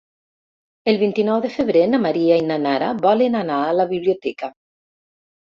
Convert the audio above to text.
El vint-i-nou de febrer na Maria i na Nara volen anar a la biblioteca.